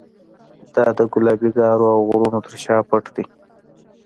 دا د ګلابي ګارو او غرونو تر شا پټ دی.